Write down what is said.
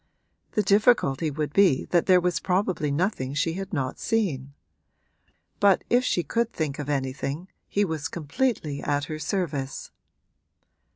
The difficulty would be that there was probably nothing she had not seen; but if she could think of anything he was completely at her service.